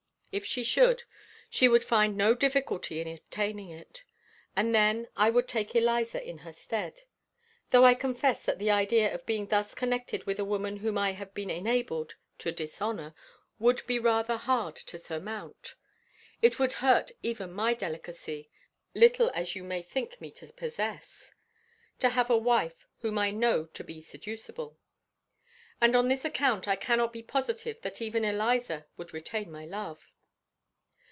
If she should, she would find no difficulty in obtaining it, and then I would take Eliza in her stead; though I confess that the idea of being thus connected with a woman whom I have been enabled to dishonor, would be rather hard to surmount. It would hurt even my delicacy, little as you may think me to possess, to have a wife whom I know to be seducible. And on this account I cannot be positive that even Eliza would retain my love.